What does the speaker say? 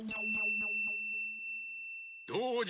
どうじゃ？